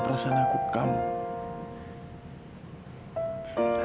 aku kan ada dipenyakitmu berdua